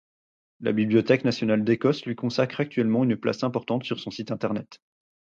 La Bibliothèque nationale d'Écosse lui consacre actuellement une place importante sur son site internet.